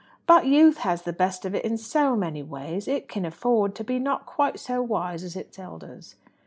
But youth has the best of it in so many ways, it can afford to be not quite so wise as its elders."